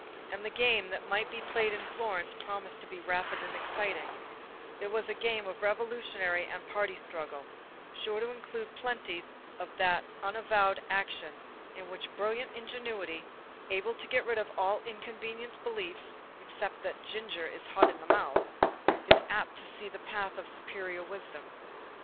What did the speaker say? And the game that might be played in Florence promised to be rapid and exciting; it was a game of revolutionary and party struggle, sure to include plenty of that unavowed action in which brilliant ingenuity, able to get rid of all inconvenient beliefs except that "ginger is hot in the mouth," is apt to see the path of superior wisdom.